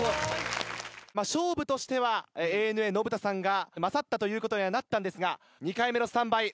勝負としてはＡＮＡ信田さんが勝ったということなんですが２回目のスタンバイ。